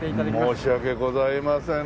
申し訳ございません。